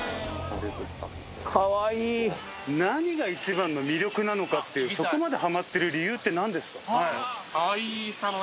何が一番の魅力なのかっていうそこまでハマってる理由って何ですか？